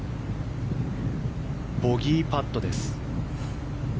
ボギーパットです。